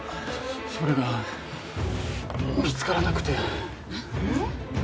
それが見つからなくてえっ？